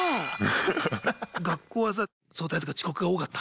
学校はさ早退とか遅刻が多かった？